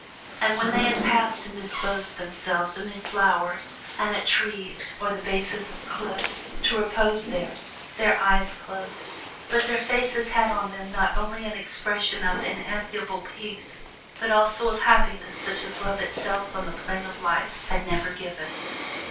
And when they had passed and disposed themselves amid flowers and at trees or the bases of cliffs, to repose there, their eyes were closed, but their faces had on them not only an expression of ineffable peace, but also of happiness such as Love itself on the Plain of Life had never given.